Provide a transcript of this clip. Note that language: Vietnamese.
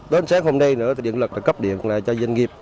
đến sáng hôm nay nữa thì điện lực đã cấp điện lại cho doanh nghiệp